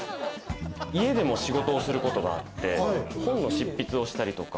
家でも仕事をすることがあって、本の執筆をしたりとか。